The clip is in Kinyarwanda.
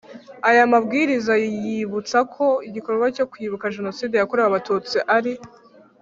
Aya mabwiriza yibutsa ko igikorwa cyo kwibuka Jenoside yakorewe Abatutsi ari